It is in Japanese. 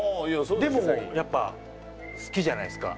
でもやっぱ好きじゃないですか。